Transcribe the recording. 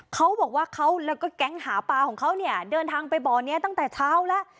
เขาบอกว่าเขาแล้วก็แก๊งหาปลาของเขาเนี่ยเดินทางไปบ่อนี้ตั้งแต่เช้าแล้ว